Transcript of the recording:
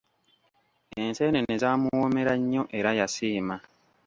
Enseenene zaamuwoomera nnyo era yasiima.